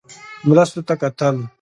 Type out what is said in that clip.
مرستو ته کتل.